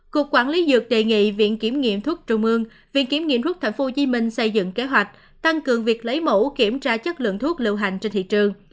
cục quản lý dược đề nghị viện kiểm nghiệm thuốc trung ương viện kiểm nghiệm thuốc tp hcm xây dựng kế hoạch tăng cường việc lấy mẫu kiểm tra chất lượng thuốc lưu hành trên thị trường